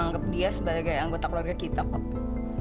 anggap dia sebagai anggota keluarga kita waktu